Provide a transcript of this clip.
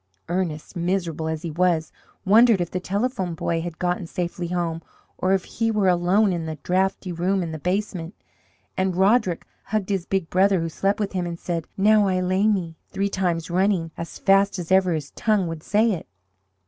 Ernest, miserable as he was, wondered if the Telephone Boy had gotten safely home, or if he were alone in the draughty room in the basement; and Roderick hugged his big brother, who slept with him and said, "Now I lay me," three times running, as fast as ever his tongue would say it.